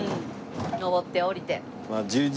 登って下りて。